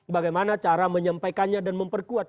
bagaimana cara menyampaikannya dan memperkuat